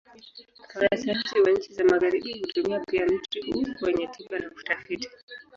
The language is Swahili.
Wanasayansi wa nchi za Magharibi hutumia pia mti huu kwenye tiba na utafiti.